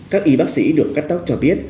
các y bác sĩ được cắt tóc cho biết